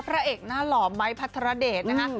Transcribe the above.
พระเอกหน้าหล่อไม้พัทรเดชนะคะ